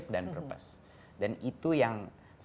dan itu yang